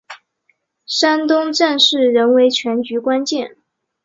山东战事仍为全局关键。